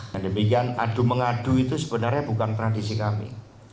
dan demikian adu mengadu itu sebenarnya bukan tradisi kami